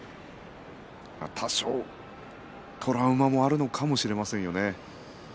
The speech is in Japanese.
多少トラウマもあるのかもしれませんよね。